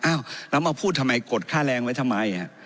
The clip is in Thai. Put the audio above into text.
อ้าวแล้วมาพูดทำไมกดค่าแรงไว้ทำไม